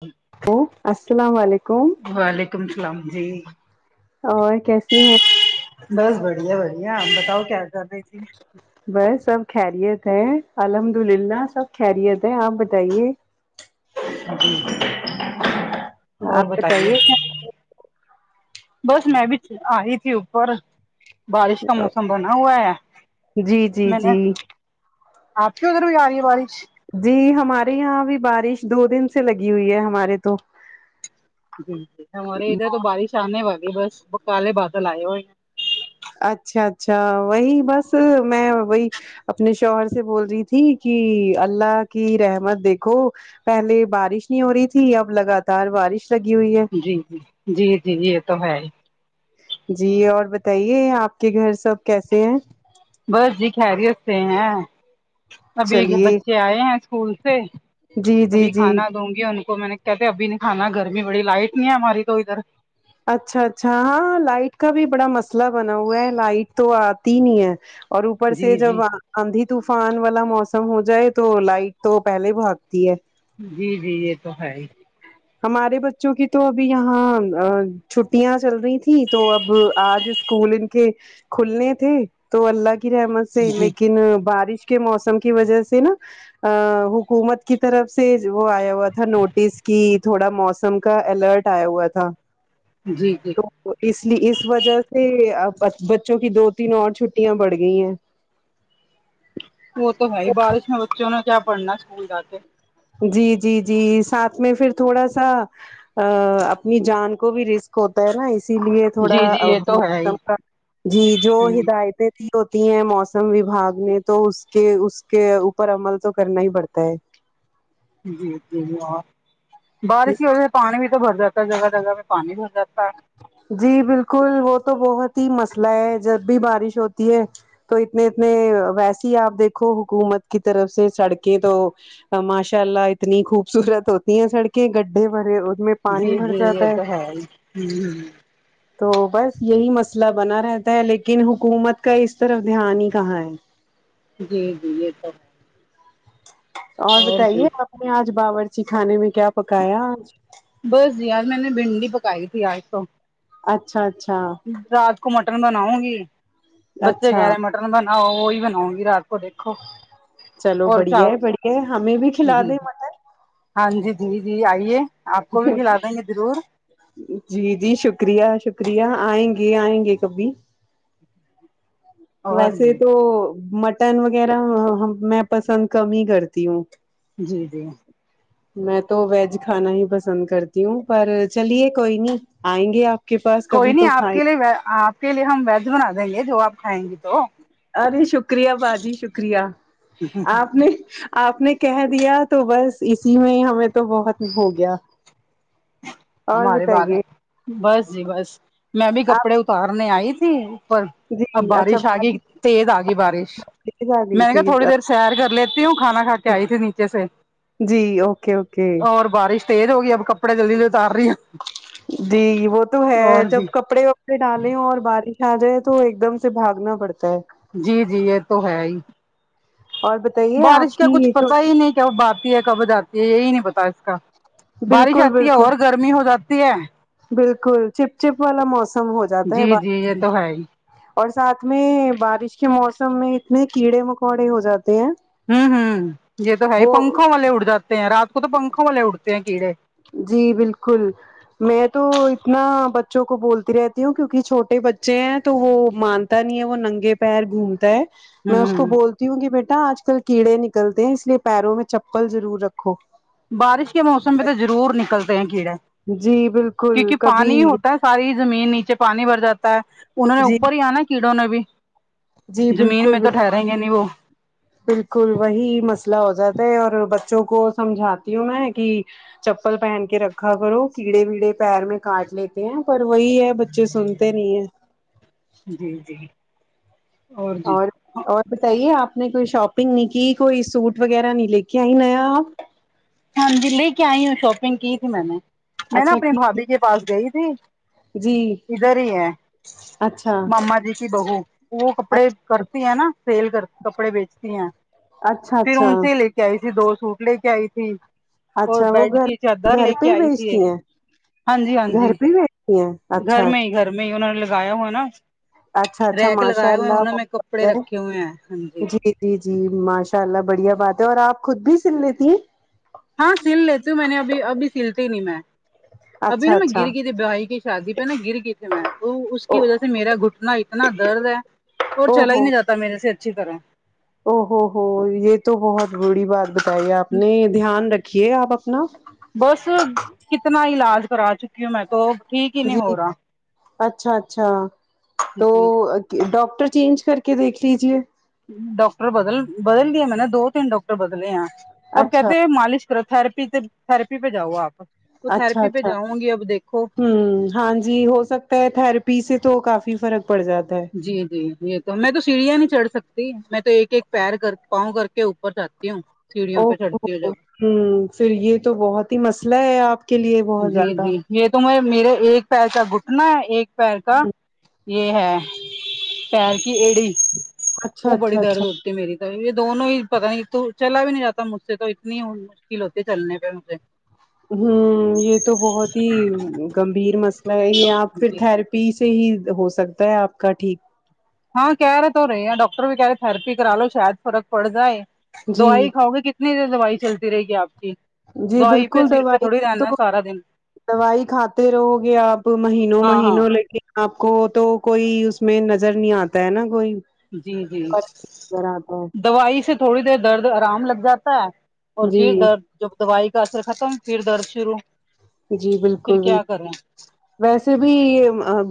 جی [unintelligible] hello السلام علیکم وعلیکم اللام جی اور کیسی ہیں بس بڑھیا بڑھیا بتاؤ کیا کر رہے ت بس سب خیریت ہے الحمد للہ سب خیریت ہے آپ بتائیے جی اور بتائیے بس میں بھی آئی تھی اوپر بارش کا موسم بنا ہوا ہے جی جی میں نے جی آپ کی ادھر بھی آ رہی ہے بارش جی ہمارے یہاں اب بارش دو دن سے لگی ہوئی ہے ہمارے تو جی جی ہمارے ادھر تو بارش آنے والی بس کالے بادل آئے ہوئے ہیں اچھا اچھا وہی بس میں وہی اپنے شوہر سے بول رہی تھی کہ اللہ کی رحمت دیکھو پہلے بارش نہیں ہو رہی تھی اب لگاتار بارش لگی ہوئی ہے جی جی جی جی یہ تو ہے ہی جی اور بتائیے آپ کے گھر سب کیسے ہیں بس جی خیریت سے ہیں ابھی چلیے بچے آئے ہیں اسکول سے جی جی ابھی جی کھانا دوں گی ان کو میں نے کہتے ابھی نہیں کھانا گرمی بڑی لائٹ نہیں ہے ہماری تو ادھر اچھا اچھا ہاں لائٹ کا بھی بڑا مسئلہ بنا ہوا ہے لائٹ تو آتی نہیں ہے اور اوپر سے جی جی جب آدھی طوفان والا موسم ہو جائے تو لائٹ تو پہلے بھاگتی ہے جی جی یہ تو ہے ہی ہمارے بچوں کی تو ابھی یہاں چھٹیاں چل رہی تھیں تو اب آج اسکول ان کے کھلنے تھے تو اللہ کی رحمت سے جی لیکن بارش کے موسم کی وجہ سے نا حکومت کی طرف سے وہ آیا ہوا تھا نوٹس کی تھوڑا موسم کا الرٹ ٹ آیا ہوا تھا جی ج تو اس لی اس وجہ سے بچوں کی دو تین اور چھٹیاں بڑھ گئی ہیں وہ تو بھائی بارش میں بچوں نے کیا پڑھنا اسکول جاتے جی جی جی ساتھ میں پھر تھوڑا سا ا اپنی جان کو بھی رسک ہوتا ہے نا اس اسی لیے تھوڑا جی جی یہ تو ہے ہی موسم کا جی جو ہوں، ہدایتیں ہوتی ہیں موسم وباگ نے تو اس کے اس کے اوپر عمل تو کرنا ہی پڑتا ہے جی جی بارش کی وجہ سے پانی بھی تو بھر جاتا ہے جگہ جگہ میں پانی بھر جاتا ہے جی بالکل وہ تو بہت ہی مسئلہ ہے جب بھی بارش ہوتی ہے تو اتنے اتنے ویسی ہی آپ دیکھو حکومت کی طرف سے سڑکیں تو ماشاء اللہ اتنی خوبصورت ہوتی ہیں سڑکیں گڈھے بھرے اس میں جی پانی بھر جی یہ جاتا ہے تو ہےائی ہ ہ تو بس یہی مسئلہ بنا رہتا ہے لیکن حکومت کا اس طرف دھیان ہی کہاں ہے جی جی یہ سب اور جی بتائیے آپ نے آج باورچی خانے میں کیا پکایا آج بس یار میں نے بھنڈی پکائی تھی آج تو اچھا اچھا رات کو مٹن بناؤں گی بچے کہہ اچھا رہے ہیں مٹن بناؤ وہی بناؤں گی رات کو دیکھ وہ چلو اور کیا بڑھیا ہے بڑھیا ہے ہمیں بھی کھلا جی دیں مٹن ہاں جی جی جی آئیے آپ کو بھی کھلا دیں گے ضرور ج جی جی شکریہ شکریہ آئیں گے آئیں گے کبھی اور ویسے جی تو مٹن وغیرہ میں پسند کم ہی کرتی ہوں جی جی میں تو ویج کھانا ہی پسند کرتی ہوں پر چلیے کوئی نہیں آئیں گے آپ کے پاس کوئی کبھی نہیں تو آپ کھائیں کے لیے آپ کے لیے ہم ویج بنا دیں گے جو آپ کھائیں گی تو ارے شکریہ باجی شکریہ آپ نے آپ نے کہہ دیا تو بس اسی میں ہمیں تو بہت ہو گیا اور ہمارے بارے بتائیے بس جی بس میں بھی کپڑے اتارنے آئی تھی اوپر آپ اب جی اچھا بارش آگی تیز آگی بارش تیز آ گئی میں نے کہ تھی تھوڑی دیر سیر کر لیتی ہوں کھانا کا کے آئی تھی نیچے سے جی اوکے اوکے اور بارش تیز ہوگی اب کپڑے جلدی جلدی اتار رہی ہو جی وہ تو ہے جب جی کپڑے پہ ڈالیں اور بارش آ جائے تو ایک دم سے بھاگنا پڑتا ہے جی جی یہ تو ہے ہی اور بتائیے آپ بارش کا کی کچھ یہ پتا چھوٹی ہی نہیں کب آتی ہے کب جاتتی ہے یہی نہیں پتا اس کا بارش بالکل آتی ہے بالکل اور گرمی ہو جاتی ہے بالکل چپ چپ والا موسم ہو جاتا ہے جی جی بارش یہ میں تو ہے ہی اور ساتھ میں بارش کے موسم میں اتنے کیڑے مکوڑے ہو جاتے ہیں ہوں ہوں یہ تو ہے وہ پنکھوں والے اٹھ جاتے ہیں رات کو تو پنکھوں والے اٹھتے ہیں کیڑے جی بالکل میں تو اتنا بچوں کو بولتی رہتی ہوں کیونکہ چھوٹے بچے ہیں تو وہ مان نہیں ہے وہ ننگے پیر گھومتا ہے میں اس کو ہوں بولتی ہوں کہ بیٹا آج کل کیڑے نکلتے ہیں اس لیے پیروں میں چپل ضرور رکھو بارش کے موسم میں تو ضرور نکلتے ہیں کیڑے جی بالکل کیونکہ کبھی پانی ہوتا ہے ساری زمین نیچے پانی بھر جاتا ہے انہوں نے جی اوپر ہی آنا کیڑوں نے بھی جی زمین بالکل میں تو بالکل ٹھہریں گے نہیں وہ بالکل وہی مسئلہ ہو جاتا ہے اور بچوں کو سمجھاتی ہوں میں کہ چپل پہن کے رکھا کرو کیڑے ویڑے پیر میں کاٹ لیتے ہیں پر وہی ہے بچے سنتے نہیں ہیں جی جی جی اور اور ہاں بتائیے آپ نے کوئی شاپنگ نہیں کی کوئی سوٹ وغیرہ نہیں لے کے آئی اپ ہاں جی لے کے آئی ہوں شاپنگ کی تھی میں نے میں نا اچھا اپنی کی بھابھی کے پاس گئی تھی جی ادھر ہی ہے اچھا ماما جی کی بہو وہ کپڑے اچھا کرتی ہے نا سیل کر کپڑے بیچتی ہیں اچھا پھر اچھا ان سے لے آئی تھی دو سوٹ لے کے آئی تھی اور اچھا وہ بیڈ گھر کی چادر گھر لے پہ کے ہی آئی تھی بیچتی ایک ہیں ہاں جی ہاں گھر جی پہ ہی بیچتی ہیں گھر اچھا میں ہی گھر میں ہی ان نے لگایا ہو نا اچھا اچھا ریک ماشاء لگائے ہوئے ہیں اللہ ان بہت میں کپڑے بڑھیا ہے رکھے ہوئے ہیں ہاں جی جی جی ماشاء اللہ بڑھیا بات ہے اور آپ خود بھی سن لیتی ہیں ہاں سل لیتی ہوں میں نے ابھی ابھی سلتی نہیں میں ابھی اچھا نا میں اچھا گر گئی تھی بوی کی شادی پہ ن گر گ اس کی او وجہ سے میرا گھٹنا اتنا درد ہے اور او چلا ہی ہو نہیں جاتا میل سے اچھی طرح او ہوو ہو یہ تو بہت بریی بات بتائی آپ نے دھیان رکھیے آپ اپنا بس کتنا علاج کرا چکی ہوں میں تو ٹھیک ہی نہیں جی ہو رہا اچھا اچھا تو جی ڈاکٹر چینج کر کے دیکھ لیجے ڈاکٹر بدل بدل دیا میں نے دو تین ڈاکٹر بدلے یہاں اب اچھا کہتے مالش کر تھرپی تو تھرپی پجاؤ آپ تو اچھا تھراپی پہ اچھا جاؤں گی اب دیکھو ہوں ہاں جی ہو سکتا ہے تھرپی سے تو کافی فرق پڑ جاتا ہے جی جی یہ تو میں تو سیڑھیاں نہیں چڑھ سکتی میں تو ایک ایک پیر کر پاؤں کر کے اوپر جاتی ہوں سیڑھیوں پہ چھڑتی ہو جب ہوں پھر یہ تو بہت ہی مسئلہ ہے آپ کے لیے بہت جی زیادہ جی یہ تو م میرے ایک پیر کا گٹنا ہے ایک پیر کا یہ ہے پیر کی ایڑی اچھا وہ بڑی اچھا درد اچھا ہوتی میری یہ دونوں ہی پتا نہیں تو چلا بھی نہیں جاتا مجھ سے تو اتنی مشکل ہوتی چلنے پہ مجھے ہ یہ تو بہت ہی گمبھیر مسئلہ ہے یہ آپ پھر جی تھرپی پی سے ہی ہو سکتا ہے آپ کا ٹھیک ہاں کہہ رہے تو رہے اں ڈاکٹر بھی کہہ رہے تھرپی کرا لو شاید فرق پڑ جائے جی دوائی کاؤ گے کتنی دیر دوائی چلتی رہے گی آپ کی جی دوائی پہ بالکل سر پہ دوائی تھوڑی سے تو رہنا سارا دن دوائی کھاتے رہو گے آپ مہینوں ہاں ہاں مہینوں لے کے آپ کو تو کوئی اس میں نظر نہیں آتا ہے نا کوئی جی جی فرق نہیں نظر آتا دوائی سے تھوڑی دیر درد آرام لگ جاتا ہے اور ہے پھر جی درد جب دوائی کا اثر ختم پھر درد شروع جی پھر بالکل بالکل کیا کریں ویسے بھی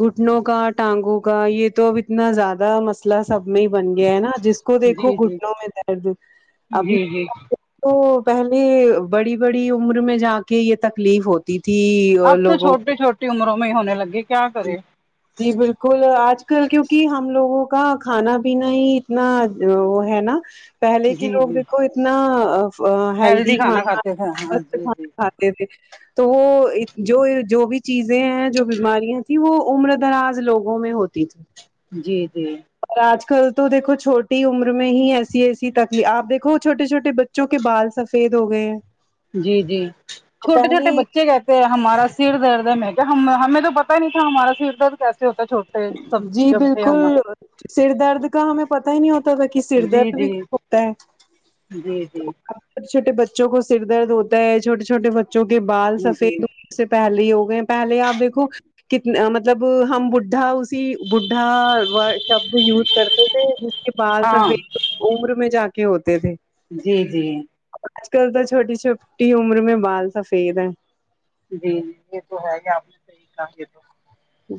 گھٹنوں کا ٹانگوں کا یہ تو اب اتنا زیادہ مس مسلہ سب میں ہی بن گیا ہے نا جس کو دیکھو جی جی گھٹنوں میں درد ابھی جی جی تو پہلے بڑی بڑی عمر میں جا کے یہ تکلیف ہوتی ت تھی اب اور تو لوگوں چھوٹٹی کو چھوٹی عمروں میں ہی ہونے لگی کیا کرے جی بالکل آج کل کیوںکہ ہم لوگوں کا کھانا پینا ہی اتنا وہ ہے نا پہلے جی کے لوگ جی دیکھو اتنا ہیلدی کھانا کھاتے تھے ہاں کھاناست جی کھانا جی کھاتا تھے تو وہ جو جو بھی چیزیں ہیں جو بیماریاں تھیں وہ عمر دراز لوگوں میں ہوتی تھی جی جی اور آج کل تو دھو چھوٹی عمر میں ہی ایسی ایسی تکلیف آپ دیکو چھوٹے چھوٹے بچے جو کہ بال سفید ہو گئے ہیں جی جی تو چھوٹے چھوٹے پہلے بچے گئے ہمارا سر درد ہے میں کیا ہمیں تو پتاہ نہیں تھا ہمارا سر درد کیسا جی بالکل سر درد کا ہمیں پت ہی نہیں ہوتا تھا کہ سر جی درد بھی [inaudible] جی [unintelligible] جی جی چھوٹے چھوٹے بچوں کو سر درد ہوتا ہےھوٹے چھوٹے بچوں کے بال جی سفید سے پہلے ہی ہو گئے ہیں پہلے آپ دیکھو کتنا مطلب ہم بھا اس بھا شبد یوز کرتے تھے جس کے بال ہاں سفید عمر میں جا کے ہوتے تھے جی جی آج کل تو چھوٹی چھوٹی عمر میں بال سفید ہے جی جی یہ تو ہے یہ آپ نے صحیح کہا یہ تو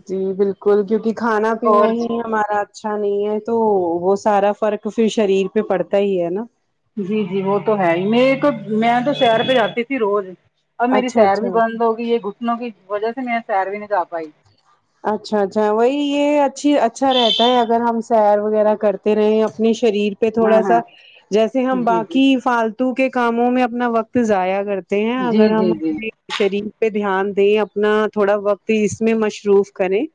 جی بالکل کیونکہ کھانا پینا اور ہی ہمارا اچھا نہیں ہے تو وہ سارا فرق پھر شریر پہ پڑتا ہی ہے نا جی جی وہ تو ہے ہی میرے کو میں تو شہیر پہ جاتی تھی روز اب میری اچھا سیر اچھا بھی بند ہوگی یہ گھٹنوں کی وجہ سے مری سیر بھی نہیں جا پائی اچھا اچھا وہی یہ اچھی اچھا رہتا ہے اگر ہم سیر وغیرہ کرتے رہے اپنے شریر پہ ہاں تھوڑا سا ہاں جیسے ہم جی جی باقی فالتو کے کاموں میں اپنا وقت ضائع کرتے اگر جی ہم جی جی اپنے شریر پہ دھیان دیں اپنا تھوڑا وقت اس میں مصروف کریں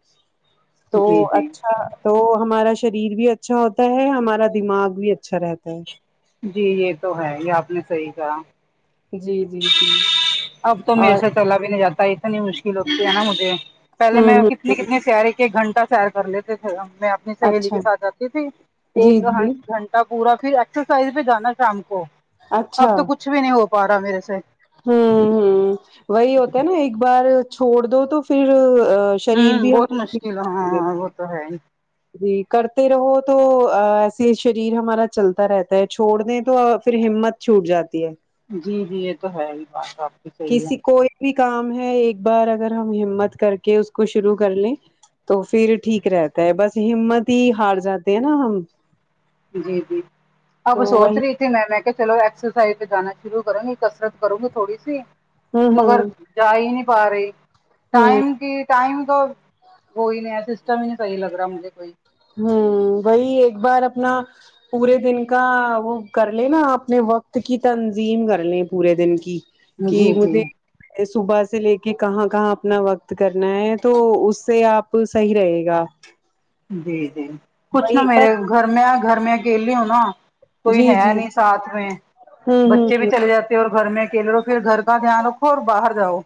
تو جی جی اچھا تو ہمارا شریر بھی اچھا ہوتا ہے ہمارا دماغ بھی اچھا رہتا ہے جی یہ تو ہے یہ آپ نے صحیح کہا جی جی جی اب تو میرے اور سے چلا بھی نہیں جاتا اتنی مشکل ہوتی ہے نا مجھے پہلے ہوں میں ہوں کتنی کتنی تیاری ایک گھنٹہ سیر کر لیتے تھے میں اپنی سہیلی کے اچھا ساتھ جاتی تھی جی ایک جی گھن پورا پھر ایکسرسائز بھی جانا شام کو اب اچھا تو کچھ بھی نہیں ہو پا رہا میرے سے ہوں ہ وہی ہوتا ہے نا ایک بار چھوڑ دو تو پھر ہوں شریر بھی بہت ہمارا مشکل ہاں وہ تو ہے ہی جی کرتے رہو تو ایسے شریر ہمارا چلتا رہتا ہے چھوڑ دیں تو پھر ہمت چھوٹ جاتی ہے جی جی یہ تو ہے ہی بات اپ کی صحیح کسی ہے کوئی بھی کام ہے ایک بار اگر ہم ہمت کر کے اس کو شروع کر لیں تو پھر ٹھیک رہتا ہے بس ہمت ہی ہار جاتے ہیں نا ہم جی جی تو اب سو وہی تریق میں میں کہ چلو ایککسرسائز تو جانا شرو کروں گی کسرت کروں گی تھوڑی سی ہوں مگر ہوں جا ہی نہیں پا رہی ہوں ٹائم کی ٹائم تو وہی نہیں ہے سسٹم ہی نہیں صحیح لگ رہا مجھے کوئی ہوں وہی ایک بار اپنا پورے دن کا وہ کر لے نا اپنے وقت کی تنظیم کر لیں پورے دن کی کہ جی جی مجھے صبح سے لے کے کہاں کہاں اپنا وقت کرنا ہے تو اس سے آپ بالکل صحی رہے گا جی جی کچھ نہا وہی پر میرے گھر میں گھر میں اکیل ہو نا کوئی جی ہے جی نہیں ساتھ میں ہوں ہوں بچے بھی ہ چلے جاتے اور گھر میں اکیلے رہو پھر گھر کا دھیان رکھو اور باہر جاؤ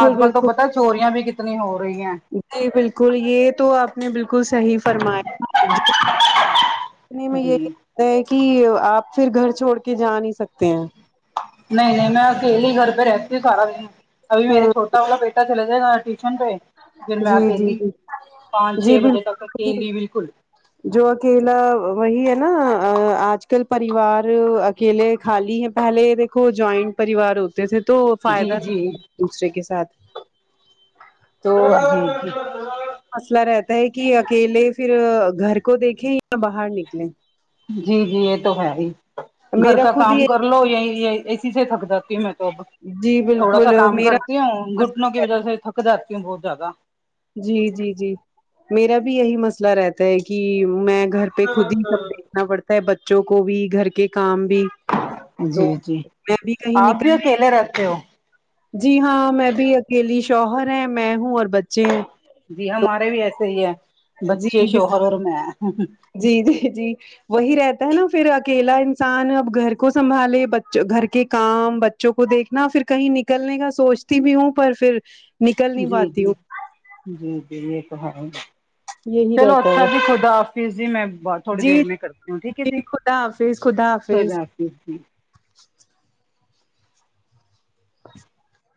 آج کل تو بالکل پتا چوریا بھی کتنی ہو رہی ہیں جی بالکل یہ تو آپ نے بالکل صحیح فرمایا لنے میں یہی جی لتا ہے کہ آپ پھر گھر چھوڑ کے جا نہیں سکتے ہیں نہیں نہیں میں اکیے ہی گھر پہ رہتی ہوں سارا دن ابھی میرے ہاں چھوٹا والا بیٹا چل ج گا ٹیوشن پہ پھر میں جی جی اکیلی جی پانچ جی چھ بجے تک بالکل اکیلی بالکل [unintelligible] جو اکیلا وہی ہے نا آج کل پریوار اکیلے خالی ہیں پہلے دیکھو جوائنٹ پریوار ہو تھے تو جی فائدہ جی جی دوسرے کے ساتھ تو مسئلہ رہتا ہے کہ اکیلے پھر گھر کو دیکھیں یا باہر نکلیں جی جی یہ تو ہے ہی گھر میرا کا خود کام ہی کر کر لو یہ ایسی سے تھک جاتی ہوں میں تو اب جی تھوڑا سا بالکل کام میرا کر تی ہوں گھٹنوں کی وجہ سے تھک جاتی ہ بہت زیادہ جی جی جی میرا بھی یہی مسئلہ رہتا ہے کہ میں گھر پہ خود ہی سب دیکھنا پڑتا ہے بچوں کو بھی گھر کے کام بھی تو جی جی میں بھی کہیں آپ بھی اکیلے رہتے نکلنا ہو جی ہاں میں بھی اکیلی شوہر ہے میں ہوں اور بچے ہیں جی ہمارے بھی ایسے ہی ہے بچے جی بالکل شوہر اور میں جی جی جی وہی رہتا ہے نا پھر اکیلا انسان اب گھر کو سنبھالے ب گھر کے کام بچوں کو دیکھنا پھر کہیں نکلنے کا سوچتی بھی ہوں پر پھر نکل نہیں جی پاتی جی ہوں جی جی یہ کہ یہی چلو رہتا اچھا ہے جی خد حافظ جی میں تھوڑی جی دیر میں کرتی ہوں ٹھیک ہے جی خدا حافظ خدا حافظ جی جوں [inaudible] ا [inaudible]